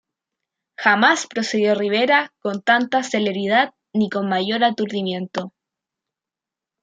Jamás procedió Rivera con tanta celeridad ni con mayor aturdimiento.